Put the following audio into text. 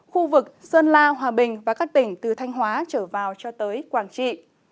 khu vực sơn la hòa bình và các tỉnh từ thanh hóa trở vào cho tới quảng trị